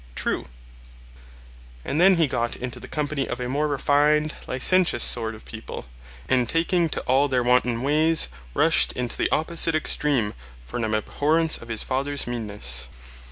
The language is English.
True. And then he got into the company of a more refined, licentious sort of people, and taking to all their wanton ways rushed into the opposite extreme from an abhorrence of his father's meanness.